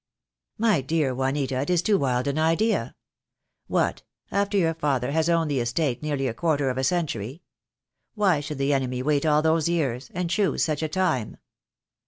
"My dear Juanita, it is too wild an idea. What, after your father has owned the estate nearly a quarter of a century? Why should the enemy wait all those years — and choose such a time?"